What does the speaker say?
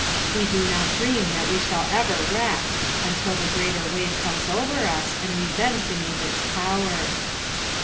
We do not dream that we shall ever wreck, until the greater wave comes over us, and we bend beneath its power.